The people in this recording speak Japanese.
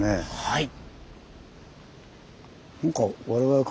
はい。